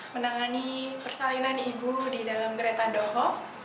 menangani persalinan ibu di dalam kereta doho